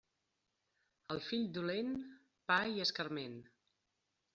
Al fill dolent, pa i escarment.